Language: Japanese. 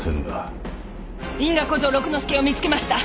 因果小僧六之助を見つけました！